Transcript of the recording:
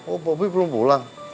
oh bobi belum pulang